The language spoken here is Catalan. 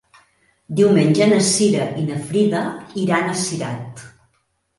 Diumenge na Cira i na Frida iran a Cirat.